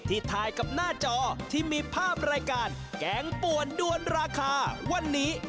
ถ่ายกับหน้าจอที่มีภาพรายการแกงป่วนด้วนราคาวันนี้